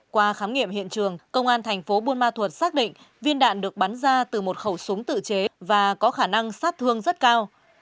qua khám nghiệm hiện trường công an thành phố buôn ma thuật xác định viên đạn được bắn ra từ một khẩu súng tự chế và có khả năng sát thương rất cao